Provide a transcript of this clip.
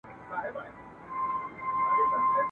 جهاني تر کندهاره چي رانه سې..